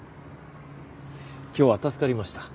今日は助かりました。